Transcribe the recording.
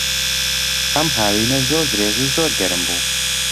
ئەم هاوینە زۆر درێژ و زۆر گەرم بوو.